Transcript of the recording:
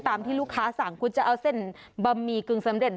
ที่ลูกค้าสั่งคุณจะเอาเส้นบะหมี่กึ่งสำเร็จ